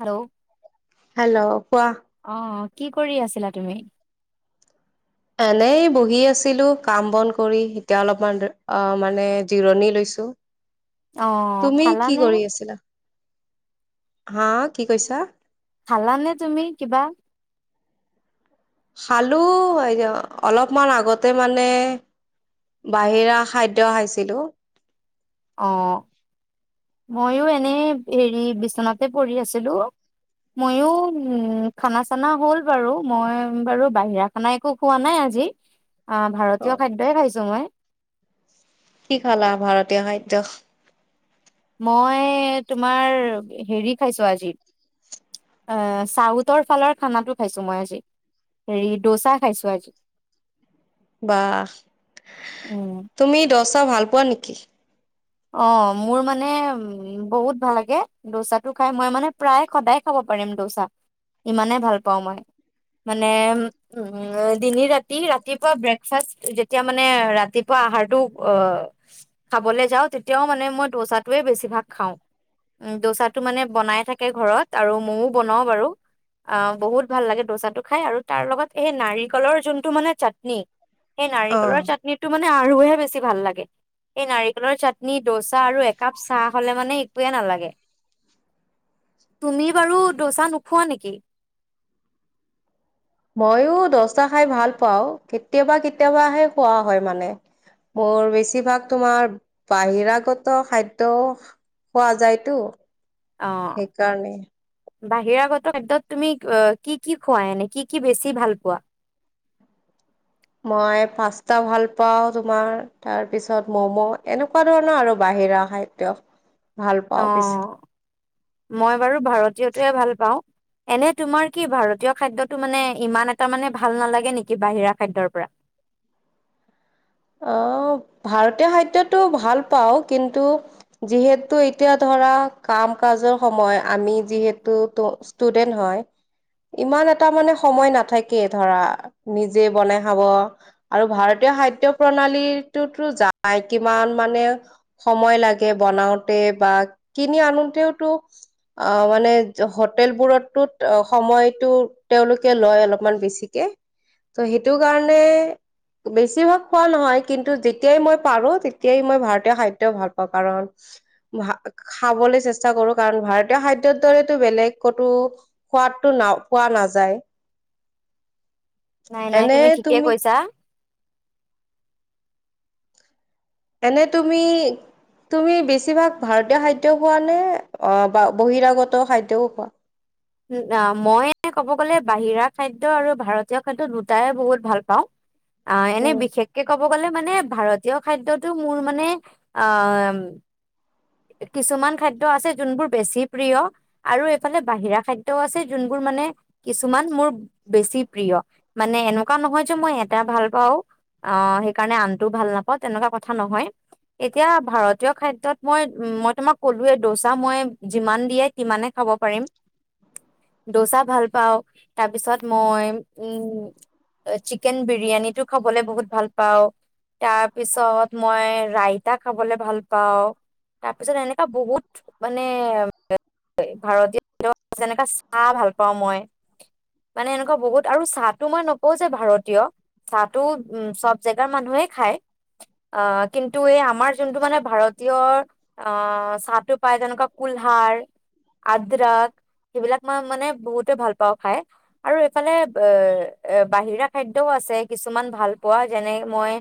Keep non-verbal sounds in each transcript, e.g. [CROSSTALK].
Hello hello! কোৱা? অ কি কৰি আছিলা তুমি? এনেই বহি আছিলো কাম বন কৰি এতিয়া অলপমান অ' মানে জিৰণি লৈছো। অ তুমি কি খালানে কৰি আছিলা? হা কি কৈছা? খালানে তুমি কিবা? খালো অলপমান আগতে মানে বাহিৰা খাদ্য খাইছিলো। অ' মইও এনেই হেৰি বিচনাতে পৰি আছিলো মইও উম, খানা চানা হ'ল বাৰু মই বাৰু বাহিৰা খানা একো খোৱা নাই আজি। অ অ ভাৰতীয় খাদ্যই খাইছো মই কি খালা ভাৰতীয় খাদ্য মই তোমাৰ হেৰি খাইছো আজি চাউথৰ ফালৰ খানাটো খাইছো মই আজি হেৰি দোচা খাইছো আজি বাহ উম তুমি দচ ত ভাল পোৱা নেকি? অ মোৰ মানে বহুত ভাল লাগে ড'চাটো খাই মই মানে প্ৰায় সদায় খাব পাৰিম দচা, ইমানেই ভাল পাও মই, মানে দিনে ৰাতি ৰাতিপুৱা ব্ৰেকফাচ্চট্ যেতিয়া মানে ৰাতিপুৱা আহাৰটো অঅ খাবলে যাওঁ তেতিয়াও মানে মই দ'চাটৱে বেছিভাগ খাওঁ। দ'চাটো মানে বনাই থাকে ঘৰত আৰু মও বনাওঁ বাৰু অ' বহুত ভাল লাগে দ'চাটো খাই আৰু তাৰ লগত এই নাৰিকলৰ যোনটো মানে চাটনি এই অ নাৰিকলৰ চাটনিটো মা নে আৰুহে বেছি ভাল লাগে এই নাৰিকলৰ চাত নি ড'চা আৰু একাপ চাহ হলে মানে একোৱে নালাগে। তুমি বাৰু ড'চা নোখোৱা নেকি? ময়ো ড'ছা খাই ভাল পাও। কেতিয়াবা-কেতিয়াবাহে খোৱা হয় মানে মোৰ বেছিভাগ তোমাৰ বাহিৰাগত খাদ্যও খোৱা যায়তো। অ সেইকাৰণে। বাহিৰাগত খাদ্যত তুমি কি কি খুৱা এনে কি কি বেছি ভাল পোৱা? মই পাস্তা ভাল পাওঁ তোমাৰ তাৰপিছত মম' এনেকুৱা ধৰণৰ আৰু বাহিৰা খাদ্য। ভাল পাওঁ বেছি। অ' মই বাৰু ভাৰতীয়টোৱে ভাল পাওঁ। এনে তোমাৰ কি ভাৰতীয় খাদ্যটো মানে ইমান এটা মানে ভাল নালাগে নেকি বাহিৰা খাদ্যৰ পৰা? অ' ভাৰতীয় খাদ্যটো ভাল পাওঁ কিন্তু যিহেতু এতিয়া ধৰা কাম কাজৰ সময় আমি যিহেতু ত' ষ্টুডেন্ট হয় ইমান এটা মানে সময় নাথাকে ধৰা নিজে বনাই খাৱ আৰু ভাৰতীয় খাদ্য প্ৰণালীটোতো যায় কিমান মানে সময় লাগে বনাওঁতে বা কিনি আনোতেওটো আ মানে হটেল বোৰতটো সময়টো তেওঁলোকে লয় অলপমান বেছিকে ত' হেটো কাৰণে বেছিভাগ খোৱা নহয় কিন্তু যেতিয়াই মই পাৰো তেতিয়াই মই ভাৰতীয় খাদ্য ভাল পাওঁ কাৰণ ভা-খাবলৈ চেষ্টা কৰো কাৰণ ভাৰতীয় খাদ্যৰ দৰেতো বেলেগ কতো সোৱাদটো ন পোৱা নাযায়। নাই, নাই। তুমি ঠিকে কৈছা। এনে, তুমি বেছিভাগ ভাৰতীয় খাদ্য খোৱা নে বহিৰাগত খাদ্যও খোৱা? মই ক'ব গ'লে, বাহিৰা খাদ্য আৰু ভাৰতীয় খাদ্য দুয়োটাই বহুত ভাল পাওঁ। আ, এনে উম। বিশেষকে ক'ব ক'ব গ'লে, মানে, ভাৰতীয় খাদ্যতটো মোৰ, মানে, আম কিছুমান খাদ্য আছে, যোনবোৰ বেছি প্ৰিয়। আৰু এইফালে বাহিৰা খাদ্যও আছে, যোনবোৰ, মানে, কিছুমান মোৰ বেছি প্ৰিয়। মানে, এনেকুৱা নহয় যে মই এটা ভাল পাওঁ, অ'। সেইকাৰণে আনটো ভাল নাপাওঁ, তেনেকুৱা কথা নহয়। এতিয়া ভাৰতীয় খাদ্যত মই, মই তোমাক ক'লোৱেই। দোচা মই যিমান দিয়ে, সিমানেই খাব পাৰিম। দোচা ভাল পাওঁ। তাৰ পিছত মই, উম, চিকেন বিৰিয়ানীটো খাবলৈ বহুত ভাল পাওঁ। তাৰ পিছত মই ৰাইতা খাবলৈ ভাল পাওঁ। তাৰ পিছত, এনেকুৱা বহুত, মানে, [UNINTELLIGIBLE] ভাৰতীয় খাদ্য, যেনেকা চাহ, ভাল পাওঁ মই। মানে, এনেকুৱা বহুত। আৰু চাহটো মই নকওঁ যে ভাৰতীয় চাহ টো, উম, চব জেগাৰ মানুহে খায়। আ, কিন্তু এই আমাৰ যোনটো, মানে, ভাৰতীয়ৰ আ, চাহটো পায়। তেনেকুৱা কুলহাৰ, আদ্ৰাক, সেইবিলাক মই, মানে, বহুতে ভাল পাওঁ খাই। আৰু এইফালে বাহিৰা খাদ্যও আছে, কিছুমান ভাল পোৱা। যেনে, মই,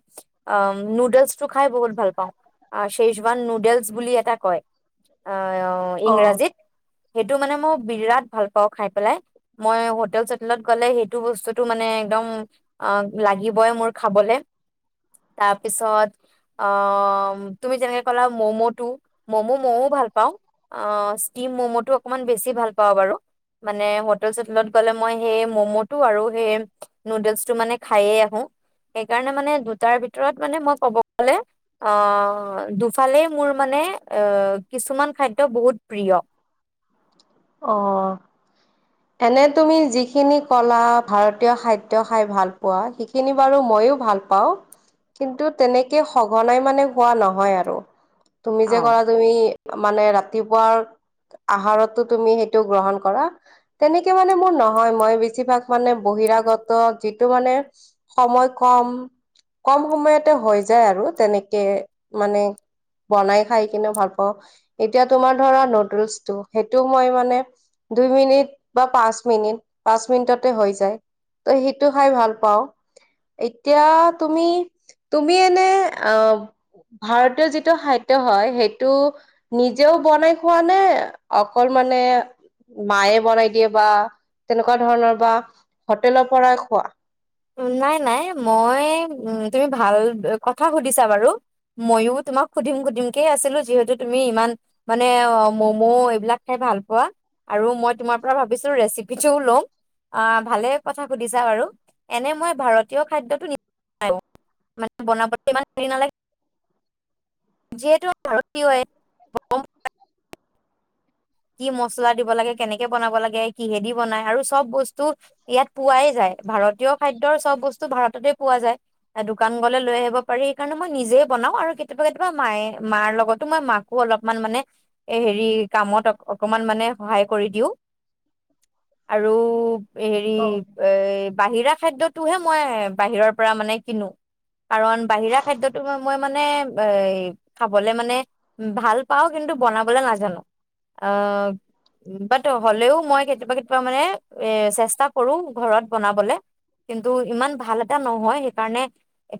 আম, নুডলছটো খাই বহুত ভাল পাওঁ। ছেজৱান বুলি এটা কয়, আ, অ ইংৰাজীত সেইটো, মানে, মই বিৰাট ভাল পাওঁ খাই পেলাই। মই হোটেল-চোটেলত গ'লে, সেইটো বস্তুতটো, মানে, একদম, আ, লাগিবই মোৰ খাবলে। তাৰ পিছত, অ', তুমি যেনেকৈ কলা মম টো ম'ম' ময়ো ভাল পাওঁ। আ, ষ্টিম ম'ম'টো অকমান বেছি ভাল পাওঁ বাৰু। মানে, হোটেল-চোটেলত গ'লে, মই সেই ম'ম'টো আৰু সেই নুডলছটো, মানে, খায়েই আহোঁ। সেইকাৰণে, মানে, দুটাৰ ভিতৰত, মানে, মই ক'ব গ'লে, অ', দুফালেই মোৰ মানে, আ, কিছুমান খাদ্য বহুত প্ৰিয়। অ এনে তুমি যিখিনি ক'লা, ভাৰতীয় খাদ্য খাই ভাল পোৱা, সেইখিনি বাৰু মইয়ো ভাল পাওঁ। কিন্তু তেনেকে সঘনাই মানে, খোৱা নহয় আৰু তুমি যে অ'। ক'লা, তুমি মানে, ৰাতিপুৱাৰ আহাৰতো তুমি সেইটো গ্ৰহণ কৰা তেনেকে মানে মোৰ নহয়। মই বেছিভাগ, মানে, বহিৰাগত যিটো, মানে, সময় কম, কম সময়তে হৈ যায়, আৰু তেনেকে, মানে, বনাই খাই কিনে ভাল পাওঁ। এতিয়া তোমাৰ, ধৰা, নুডলছটো, সেইটোও মই, মানে, দুই মিনিট বা পাঁচ মিনিট, পাঁচ মিনিটতে হৈ যায়। ত' সেইটো খাই ভাল পাওঁ। এতিয়া, তুমি, তুমি এনে, অ', ভাৰতীয় যিটো খাদ্য হয়, সেইটো নিজেও বনাই খোৱা নে, অকল, মানে, মায়ে বনাই দিয়ে, বা তেনেকুৱা ধৰণৰ, বা হোটেলৰ পৰাই খোৱা নাই, নাই। মই, তুমি ভাল কথা সুধিছা বাৰু। মইও তোমাক সুধিম, সুধিমকে আছিলোঁ। যিহেতু তুমি ইমান, মানে, ম'ম' এইবিলাক খাই ভাল পোৱা, আৰু মই তোমাৰ পৰা ভাবিছোঁ, ৰেচিপিটোও ল'ম। আ, ভালেই কথা সুধিছা বাৰু। এনে, মই ভাৰতীয় খাদ্যটো নিজে বনাই খাওঁ। মানে, বনোৱা [UNINTELLIGIBLE] যিহেতু ভাৰতীয় হয় [UNINTELLIGIBLE] কি মছলা দিব লাগে, কেনেকে বনাব লাগে, কিহেদি বনাই, আৰু চব বস্তু ইয়াত পোৱাই যায়। ভাৰতীয় খাদ্যৰ চব বস্তু ভাৰততে পোৱা যায়। দোকান গ'লে লৈ আহিব পাৰি। সেইকাৰণে মই নিজে বনাওঁ। আৰু কেতিয়াবা-কেতিয়াবা মায়ে, মাৰ লগতো মই মাকো অলপমান, মানে, এই হেৰি, কামত অক অকণমান, মানে, সহায় কৰি দিওঁ, আৰু এই হেৰি, অ' এ বাহিৰা খাদ্যটোহে মই, বাহিৰৰ পৰা, মানে, কিনোঁ। কাৰণ বাহিৰা খাদ্যটো বাৰু মই মানে, এই, খাবলৈ, মানে, ভাল পাওঁ। কিন্তু বনাবলৈ নাজানো। অ'। বাত হ'লেও মই কেতিয়াবা কেতিয়াবা মানে এ চেষ্টা কৰোঁ, ঘৰত বনাবলে। কিন্তু ইমান ভাল এটা নহয়। সেইকাৰণে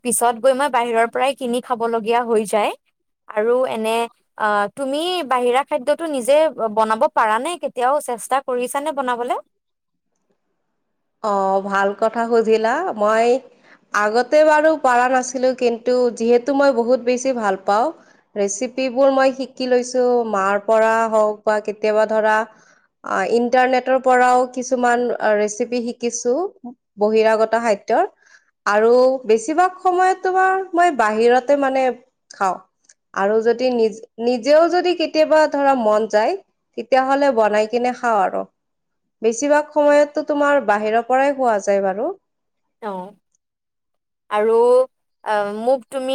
পিছত গৈ মই বাহিৰৰ পৰাই কিনি খাবলগীয়া হৈ যায়। আৰু এনে, আহ, তুমি বাহিৰা খাদ্য টো নিজে বনাব পাৰা নে? কেতিয়াও চেষ্টা কৰিছা নে বনাবলে? থা সুধিলা। মই আগতে বাৰু পাৰা নাছিলোঁ। কিন্তু যিহেতু মই বহুত বেছি ভাল পাওঁ ৰেচিপিবোৰ মই শিকি লৈছোঁ, মাৰ পৰা হওক বা কেতিয়াবা, ধৰা, ইণ্টাৰনেটৰ পৰাও কিছুমান ৰেচিপি শিকিছোঁ বহিৰাগত খাদ্যৰ। আৰু বেছিভাগ সময়ত, তোমাৰ, মই বাহিৰতে, মানে, খাওঁ। আৰু যদি নিজে, নিজেও, যদি কেতিয়াবা, ধৰা, মন যায়, তেতিয়াহ'লে বনাই কিনে খাওঁ। আৰু বেছিভাগ সময়তো, তোমাৰ, বাহিৰৰ পৰাই খোৱা যায় বাৰু। অ', আৰু আম, মোক তুমি,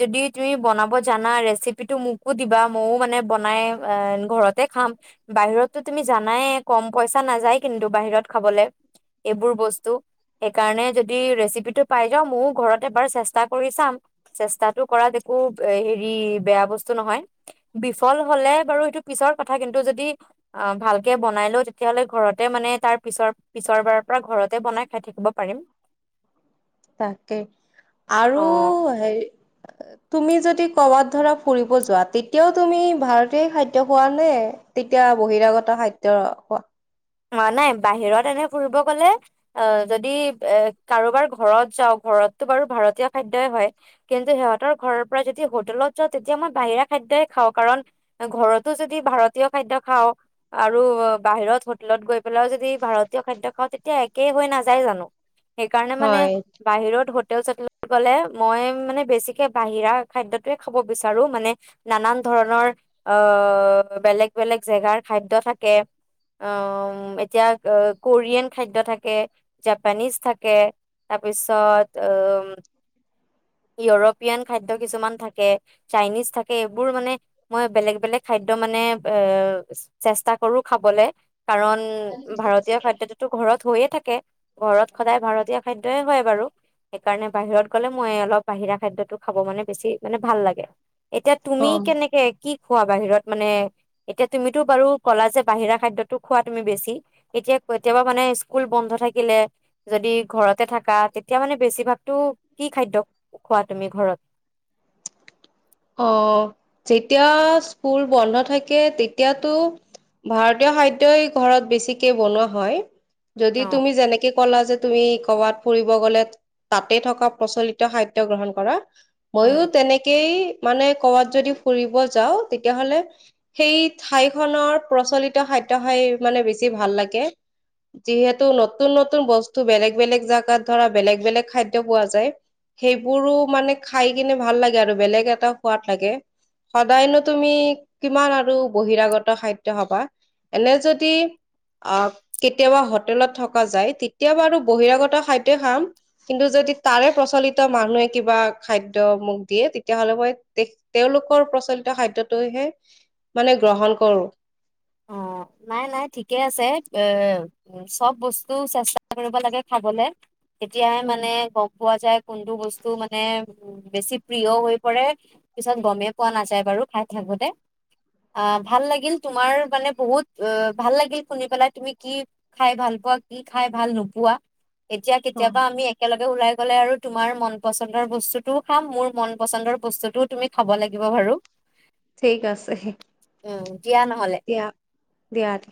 যদি তুমি বনাব জানা, ৰেচিপিটো মোকো দিবা। মইও, মানে, বনাই, আ ঘৰতে খাম। বাহিৰতটো, তুমি জানাই, কম পইচা নাযায় কিন্তু বাহিৰত খাবলে এইবোৰ বস্তু কাৰণে যদি ৰেচিপি টো পাই যাও ময়োও ঘৰত এবাৰ চেষ্টা কৰি চাম। চেষ্টাটো কৰাত একো এ হেৰি বেয়া বস্তু নহয়, বিফল হলে বাৰু হেটো পিছৰ কথা কিন্তু যদি আ ভালকে বনাই লও তেতিয়াহলে ঘৰতে মানে তাৰ পিছৰ পিছৰবাৰৰ পৰা ঘৰতে বনাই খাই থাকিব পাৰিম। তাকে, আৰু অ হেৰি তুমি যদি ক'ৰবাত ধৰা ফুৰিব যোৱা, তেতিয়াও তুমি ভাৰতীয় খাদ্য খোৱা নে, তেতিয়া বহিৰাগত খাদ্য খোৱা? মানে, বাহিৰত এনে ফুৰিব গলে, আহ যদি এ কাৰোবাৰ ঘৰত যাওঁ ঘৰততো বাৰু ভাৰতীয় খাদ্যই হয়, কিন্তু সিহঁতৰ ঘৰৰ পৰা যদি হোটেলত যাওঁ তেতিয়া মই বাহিৰা খাদ্যই খাওঁ, কাৰণ ঘৰতো যদি ভাৰতীয় খাদ্য খাওঁ আৰু বাহিৰত হোটে লত গৈ পেলাইও যদি ভাৰতীয় খাদ্য খাওঁ, তেতিয়া একেই হৈ নাযায় জানো? সেইকাৰণে মানে হয় বাহিৰত হোট [UNINTELLIGIBLE] গলে মই মানে বেছিকে বাহিৰা খাদ্যটোৱে খাব বিচাৰো, মানে নানান ধৰণৰ আ, বেলেগ বেলেগ জেগাৰ খাদ্য থাকে আ উম, এতিয়া অ কৰিয়ান খাদ্য থাকে, জাপানিজ থাকে, তাৰপিছত এম ইউৰোপীয়ান খাদ্য কিছুমান থাকে, চাইনিজ থাকে, এইবোৰ মানে মই বেলেগ বেলেগ খাদ্য মানে এ চেষ্টা কৰো খাবলে। কাৰণ, ভাৰতীয় খাদ্যয়টোতো ঘৰত হৈয়ে থাকে। ঘৰত সদায় ভাৰতীয় খাদ্যই হয় বাৰু। সেইকাৰণে বাহিৰত হলে মই অলপ বাহিৰা খাদ্যতো খাব মানে বেছি মানে ভাল লাগে। এতিয়া তুমি কেনেকে কি খোৱা বাহিৰত মানে, এতিয়া তুমিতো বাৰু ক'লা যে বাহিৰা খাদ্যত টো খোৱা তুমি বেছি, এতিয়া কেতিয়াবা মানে স্কুল বন্ধ থাকিলে, যদি ঘৰতে থাকা, তেতিয়া মানে বেছিভাগতটো কি খাদ্য খোৱা তুমি ঘৰত? অ, যেতিয়া স্কুল বন্ধ থাকে তেতিয়াতো ভাৰতীয় খাদ্যই ঘৰত বেছিকে বনোৱা হয়। যদি অ তুমি যেনেকে ক'লা যে তুমি কৰ'বাত ফুৰিব গ'লে, তাতে থকা প্ৰচলিত খাদ্য গ্ৰহণ কৰা উম মইয়ো তেনেকেই মানে ক'বাত যদি ফুৰিব যাওঁ, তেতিয়াহলে সেই ঠাইখনৰ প্ৰচলিত খাদ্য খাই মানে বেছি ভাল লাগে, যিহেতু নতুন-নতুন বস্তু বেলেগ- বেলেগ জাগাত ধৰা বেলেগ-বেলেগ খাদ্য পোৱা যায়, সেইবোৰো মানে খাই কিনে ভাল লাগে, আৰু বেলেগ এটা সোৱাদ লাগে। সদায়নো তুমি কিমান আৰু বহিৰাগত খাদ্য খাবা, এনে যদি আহ কেতিয়াবা হোটেলত থকা যায় তেতিয়া বাৰু বহিৰাগত খাদ্যই খাম, কিন্তু যদি তাৰে প্ৰচলিত মানুহে কিবা খাদ্য মোক দিয়ে তেতিয়াাহ'লে মই তে তেওঁলোকৰ প্ৰচলিত খাদ্যটোহে মানে গ্ৰহণ কৰো। অ, নাই নাই ঠিকে আছে, এ চব বস্তু চেষ্টা কৰিব লাগে খাবলে। তেতিয়াহে উম, মানে ক পোৱা যায় কোনটো বস্তু মানে বেছি প্ৰিয় হৈ পৰে পিছত গমেই পোৱা নাযায় বাৰু খাই থাকোতে, আহ ভাল লাগিল তোমাৰ মানে বহুত আ ভাল লাগিল শুনি পেলাই, তুমি কি খাই ভাল পোৱা, কি খাই ভাল নোপোৱা। এতিয়া কেতিয়াবা অ'। আমি একেলগ ওলাই গ'লে আৰু তোমাৰ মন পচন্দৰ বস্তুটোও খাম, মোৰ মন পচন্দৰ বস্তুটোও তুমি খাব লাগিব বাৰু। ঠিক আছে। উম, দিয়া নহলে। অ দিয়া তে।